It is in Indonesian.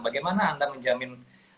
bagaimana anda menjamin